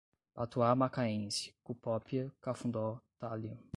patuá macaense, cupópia, Cafundó, talian